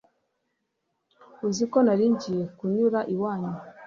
uziko naringiye kunyura iwanyu